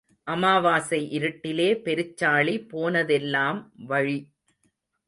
அமாவாசை இருட்டிலே பெருச்சாளி போனதெல்லாம் வழி.